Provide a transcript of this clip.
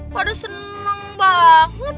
waduh seneng banget